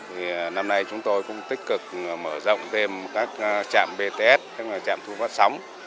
thì năm nay chúng tôi cũng tích cực mở rộng thêm các trạm bts tức là trạm thu phát sóng